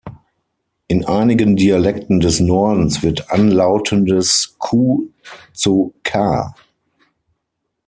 In einigen Dialekten des Nordens wird anlautendes "q" zu "k".